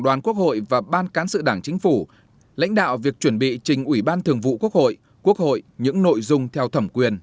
lãnh đạo việc chuẩn bị trình ủy ban thường vụ quốc hội quốc hội những nội dung theo thẩm quyền